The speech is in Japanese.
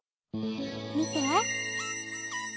みて。